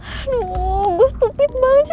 aduh gue stupid banget sih